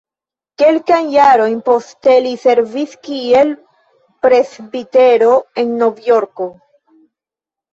Kelkajn jarojn poste li servis kiel presbitero en Novjorko.